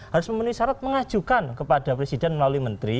jadi syarat mengajukan kepada presiden melalui menteri